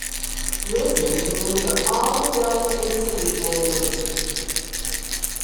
Listen and you'll hear all the bells in the city jangling.